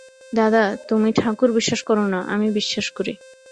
দাদা, তুমি ঠাকুর বিশ্বাস কর না, আমি বিশ্বাস করি।